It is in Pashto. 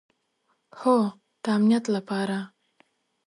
هو، د امنیت لپاره